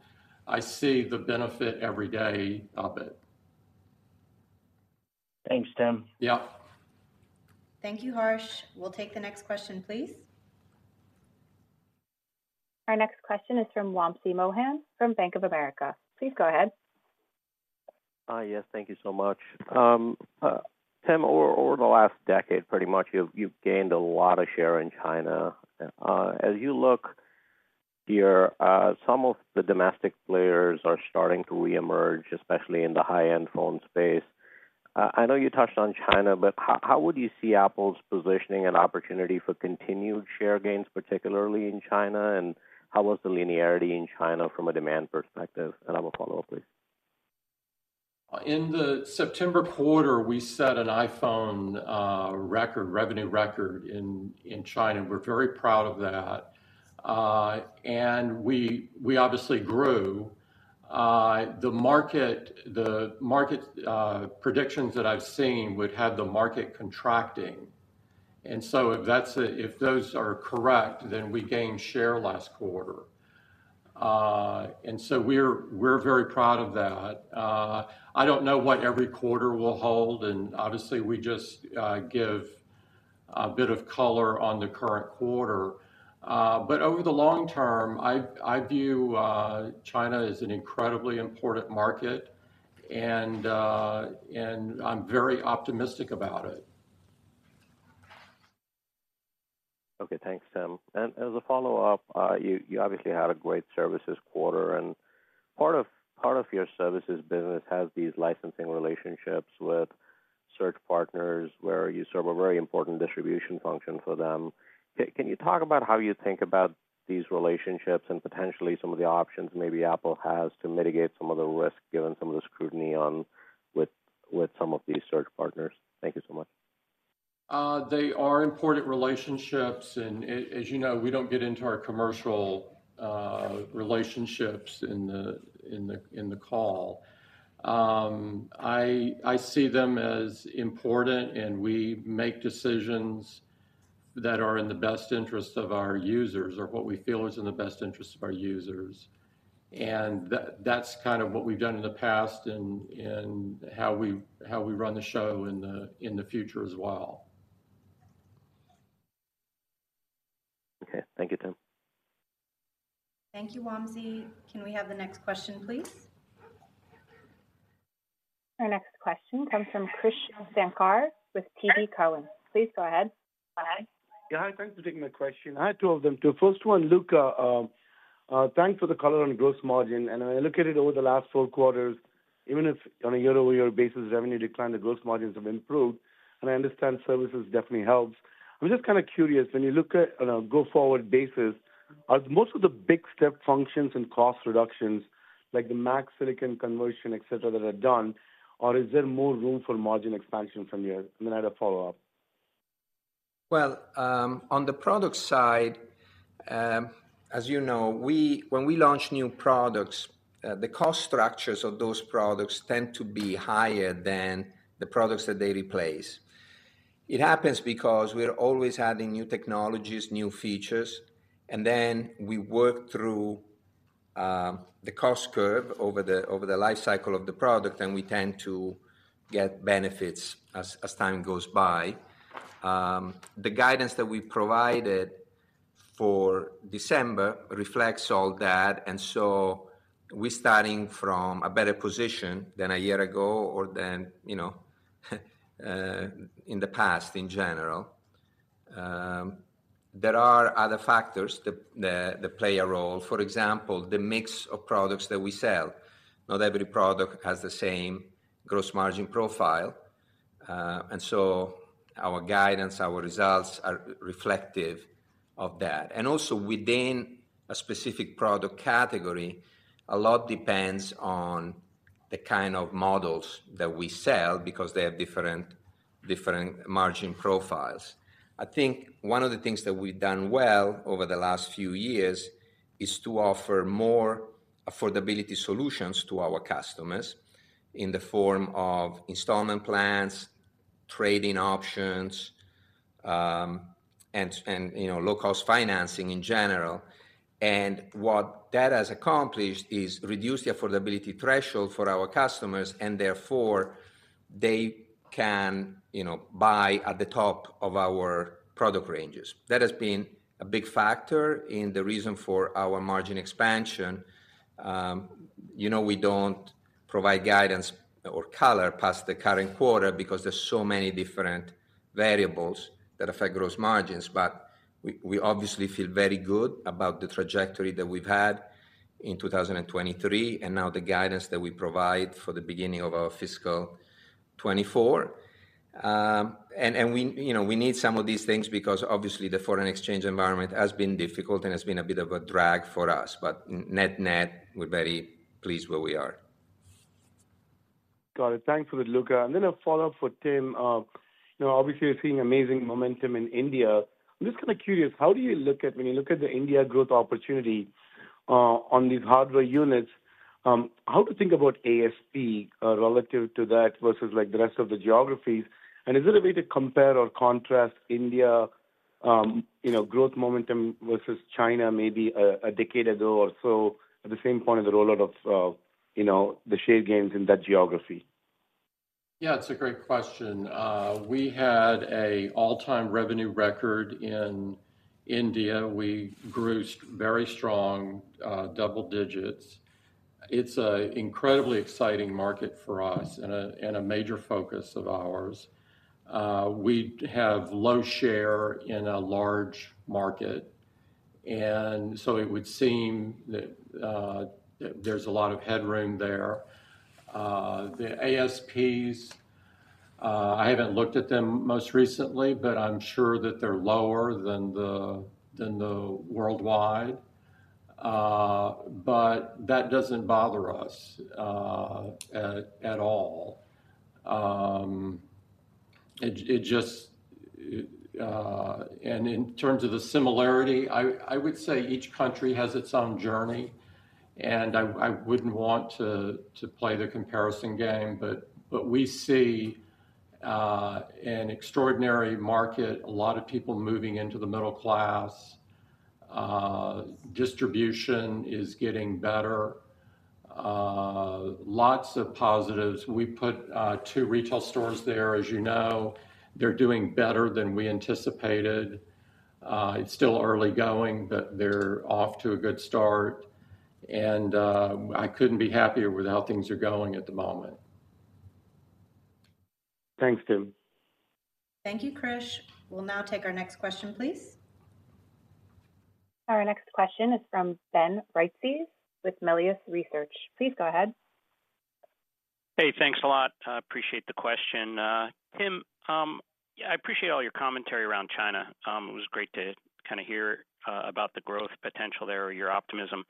I see the benefit every day of it. Thanks, Tim. Yeah. Thank you, Harsh. We'll take the next question, please. Our next question is from Wamsi Mohan from Bank of America. Please go ahead. Yes, thank you so much. Tim, over the last decade, pretty much, you've gained a lot of share in China. As you look here, some of the domestic players are starting to reemerge, especially in the high-end phone space. I know you touched on China, but how would you see Apple's positioning and opportunity for continued share gains, particularly in China? And how was the linearity in China from a demand perspective? And I have a follow-up, please. In the September quarter, we set an iPhone record revenue record in China. We're very proud of that. And we obviously grew. The predictions that I've seen would have the market contracting, and so if those are correct, then we gained share last quarter. And so we're very proud of that. I don't know what every quarter will hold, and obviously, we just give a bit of color on the current quarter. But over the long term, I view China as an incredibly important market, and I'm very optimistic about it. Okay. Thanks, Tim. And as a follow-up, you obviously had a great services quarter, and part of your services business has these licensing relationships with search partners, where you serve a very important distribution function for them. Can you talk about how you think about these relationships and potentially some of the options maybe Apple has to mitigate some of the risk, given some of the scrutiny on with some of these search partners? Thank you so much. They are important relationships, and as you know, we don't get into our commercial relationships in the call. I see them as important, and we make decisions that are in the best interest of our users or what we feel is in the best interest of our users. And that's kind of what we've done in the past and how we run the show in the future as well. Okay. Thank you, Tim. Thank you, Wamsi. Can we have the next question, please? Our next question comes from Krish Sankar with TD Cowen. Please go ahead. Yeah, hi. Thanks for taking the question. I have two of them, too. First one, Luca, thanks for the color on gross margin, and I look at it over the last four quarters, even if on a year-over-year basis, revenue declined, the gross margins have improved, and I understand services definitely helps. I'm just kind of curious, when you look at on a go-forward basis, are most of the big step functions and cost reductions, like the Mac silicon conversion, etc, that are done, or is there more room for margin expansion from here? And then I had a follow-up. Well, on the product side, as you know, we when we launch new products, the cost structures of those products tend to be higher than the products that they replace. It happens because we're always adding new technologies, new features, and then we work through the cost curve over the life cycle of the product, and we tend to get benefits as time goes by. The guidance that we provided for December reflects all that, and so we're starting from a better position than a year ago or than, you know, in the past in general. There are other factors that play a role. For example, the mix of products that we sell. Not every product has the same gross margin profile, and so our guidance, our results are reflective of that. Also, within a specific product category, a lot depends on the kind of models that we sell because they have different margin profiles. I think one of the things that we've done well over the last few years is to offer more affordability solutions to our customers in the form of installment plans, trade-in options, and, you know, low-cost financing in general. And what that has accomplished is reduce the affordability threshold for our customers, and therefore they can, you know, buy at the top of our product ranges. That has been a big factor in the reason for our margin expansion. You know, we don't provide guidance or color past the current quarter because there's so many different variables that affect gross margins. But we obviously feel very good about the trajectory that we've had in 2023, and now the guidance that we provide for the beginning of our fiscal 2024. And we, you know, we need some of these things because obviously the foreign exchange environment has been difficult and has been a bit of a drag for us. But net-net, we're very pleased where we are. Got it. Thanks for that, Luca. And then a follow-up for Tim. You know, obviously, we're seeing amazing momentum in India. I'm just kind of curious, how do you look at, when you look at the India growth opportunity, on these hardware units, how to think about ASP, relative to that versus, like, the rest of the geographies? And is there a way to compare or contrast India, you know, growth momentum versus China, maybe a decade ago or so, at the same point in the rollout of, you know, the share gains in that geography? Yeah, it's a great question. We had an all-time revenue record in India. We grew very strong, double digits. It's an incredibly exciting market for us and a major focus of ours. We have low share in a large market, and so it would seem that there's a lot of headroom there. The ASPs, I haven't looked at them most recently, but I'm sure that they're lower than the worldwide. But that doesn't bother us at all. In terms of the similarity, I wouldn't want to play the comparison game. But we see an extraordinary market, a lot of people moving into the middle class. Distribution is getting better. Lots of positives. We put two retail stores there, as you know. They're doing better than we anticipated. It's still early going, but they're off to a good start, and I couldn't be happier with how things are going at the moment. Thanks, Tim. Thank you, Krish. We'll now take our next question, please. Our next question is from Ben Reitzes with Melius Research. Please go ahead. Hey, thanks a lot. I appreciate the question. Tim, I appreciate all your commentary around China. It was great to kind of hear about the growth potential there, your optimism.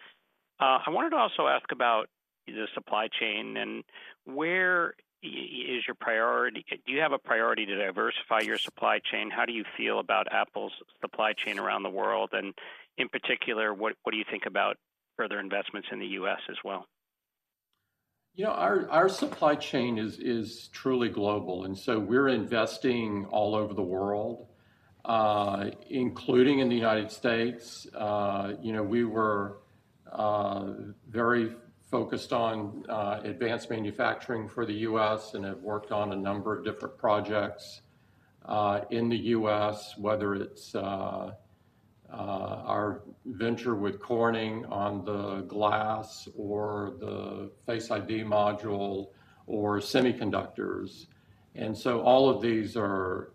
I wanted to also ask about the supply chain and where is your priority? Do you have a priority to diversify your supply chain? How do you feel about Apple's supply chain around the world? And in particular, what do you think about further investments in the U.S. as well? You know, our supply chain is truly global, and so we're investing all over the world, including in the United States. You know, we were very focused on advanced manufacturing for the U.S. and have worked on a number of different projects in the U.S., whether it's our venture with Corning on the glass or the Face ID module or semiconductors. And so all of these are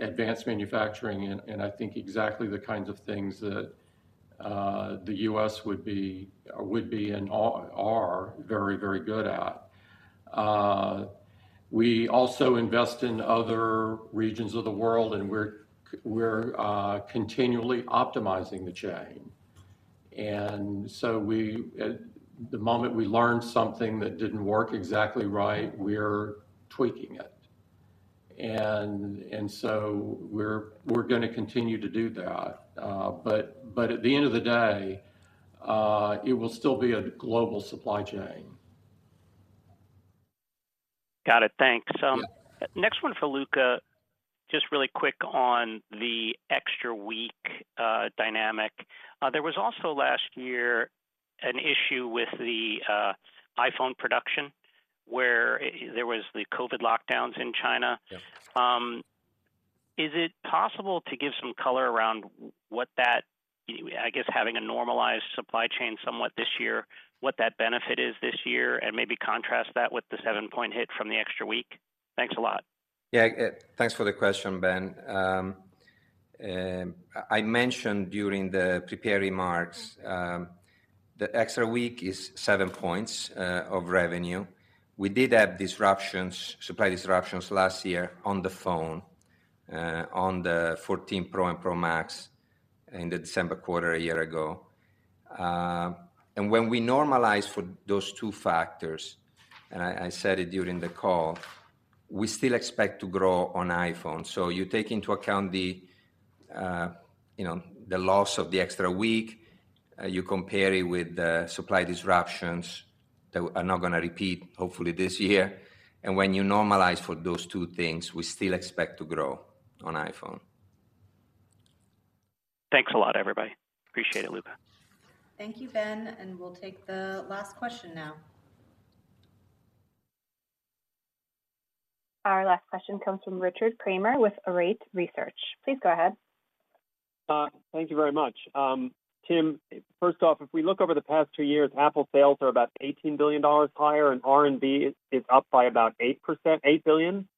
advanced manufacturing and I think exactly the kinds of things that the U.S. would be and all are very, very good at. We also invest in other regions of the world, and we're continually optimizing the chain. And so we, the moment we learn something that didn't work exactly right, we're tweaking it. And so we're gonna continue to do that. But at the end of the day, it will still be a global supply chain. Got it. Thanks. Yeah. Next one for Luca. Just really quick on the extra week, dynamic. There was also last year an issue with the iPhone production, where there was the COVID lockdowns in China. Yep. Is it possible to give some color around what that, I guess, having a normalized supply chain somewhat this year, what that benefit is this year, and maybe contrast that with the seven-point hit from the extra week? Thanks a lot. Yeah, thanks for the question, Ben. I mentioned during the prepared remarks, the extra week is seven points of revenue. We did have disruptions, supply disruptions last year on the phone, on the 14 Pro and Pro Max in the December quarter a year ago. And when we normalize for those two factors, and I said it during the call, we still expect to grow on iPhone. So you take into account the, you know, the loss of the extra week, you compare it with the supply disruptions that are not going to repeat, hopefully this year, and when you normalize for those two things, we still expect to grow on iPhone. Thanks a lot, everybody. Appreciate it, Luca. Thank you, Ben, and we'll take the last question now. Our last question comes from Richard Kramer with Arete Research. Please go ahead. Thank you very much. Tim, first off, if we look over the past two years, Apple sales are about $18 billion higher, and R&D is up by about 8%, $8 billion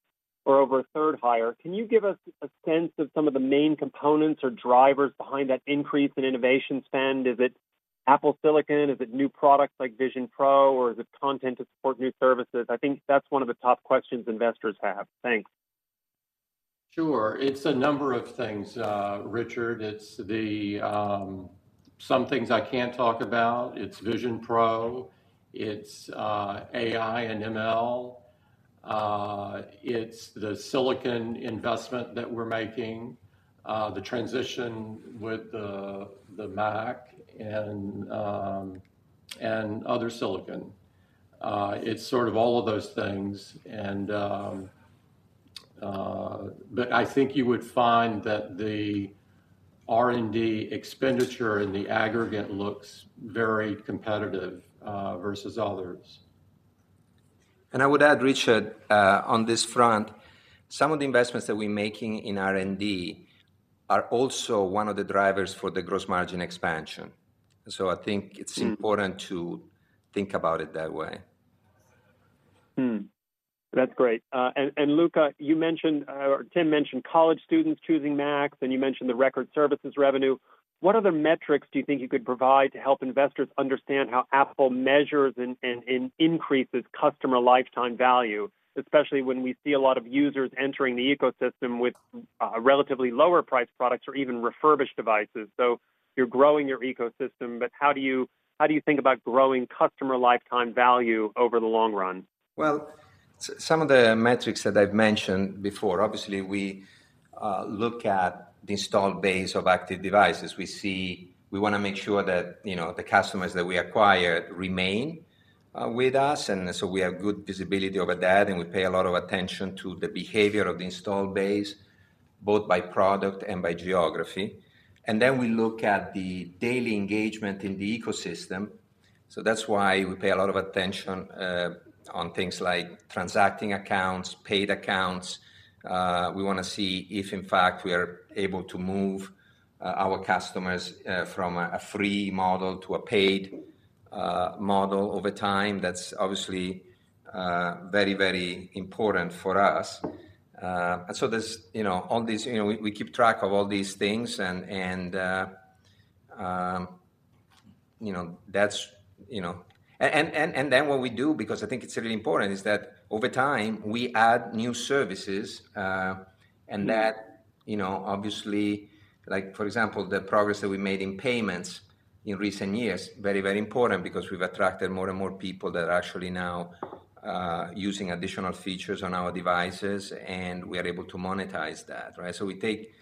or over a third higher. Can you give us a sense of some of the main components or drivers behind that increase in innovation spend? Is it Apple Silicon? Is it new products like Vision Pro, or is it content to support new services? I think that's one of the top questions investors have. Thanks. Sure. It's a number of things, Richard. It's some things I can't talk about. It's Vision Pro, it's AI and ML. It's the silicon investment that we're making, the transition with the Mac and other silicon. It's sort of all of those things, and but I think you would find that the R&D expenditure in the aggregate looks very competitive, versus others. I would add, Richard, on this front, some of the investments that we're making in R&D are also one of the drivers for the gross margin expansion. So I think it's important to think about it that way. That's great. And Luca, you mentioned, or Tim mentioned college students choosing Macs, and you mentioned the record services revenue. What other metrics do you think you could provide to help investors understand how Apple measures and increases customer lifetime value, especially when we see a lot of users entering the ecosystem with relatively lower priced products or even refurbished devices? So you're growing your ecosystem, but how do you think about growing customer lifetime value over the long run? Well, some of the metrics that I've mentioned before, obviously, we look at the Installed Base of active devices. We see we want to make sure that, you know, the customers that we acquire remain with us, and so we have good visibility over that, and we pay a lot of attention to the behavior of the Installed Base, both by product and by geography. Then we look at the daily engagement in the ecosystem. So that's why we pay a lot of attention on things like transacting accounts, paid accounts. We want to see if in fact, we are able to move our customers from a free model to a paid model over time. That's obviously very, very important for us. And so there's, you know, all these, you know, we keep track of all these things and, you know, that's, you know. Then what we do, because I think it's really important, is that over time, we add new services, and that you know, obviously, like for example, the progress that we made in payments in recent years, very, very important because we've attracted more and more people that are actually now using additional features on our devices, and we are able to monetize that, right? So we take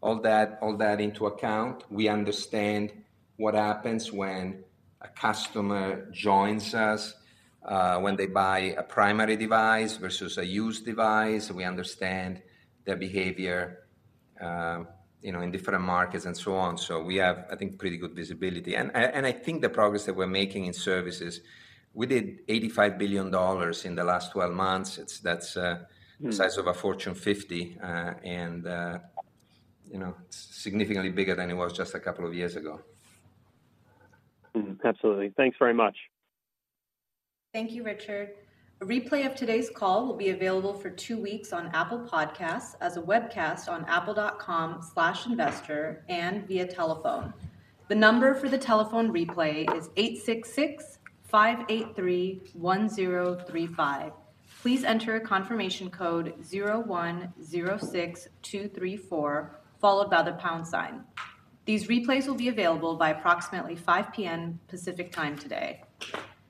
all that, all that into account. We understand what happens when a customer joins us, when they buy a primary device versus a used device. We understand their behavior, you know, in different markets and so on. So we have, I think, pretty good visibility. And, and I think the progress that we're making in services, we did $85 billion in the last twelve months. That's the size of a Fortune 50, and, you know, significantly bigger than it was just a couple of years ago. Absolutely. Thanks very much. Thank you, Richard. A replay of today's call will be available for two weeks on Apple Podcasts, as a webcast on apple.com/investor, and via telephone. The number for the telephone replay is 866-583-1035. Please enter confirmation code 0106234, followed by the pound sign. These replays will be available by approximately 5 P.M. Pacific Time today.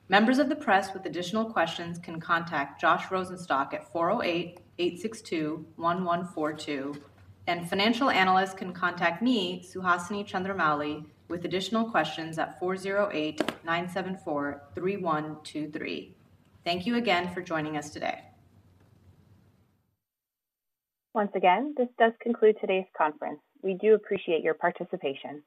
Members of the press with additional questions can contact Josh Rosenstock at 408-862-1142, and financial analysts can contact me, Suhasini Chandramouli, with additional questions at 408-974-3123. Thank you again for joining us today. Once again, this does conclude today's conference. We do appreciate your participation.